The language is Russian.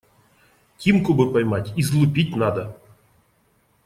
Тимку бы поймать, излупить надо.